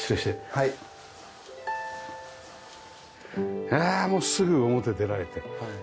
うわもうすぐ表出られて。